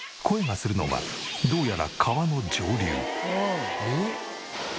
声がするのはどうやら川の上流。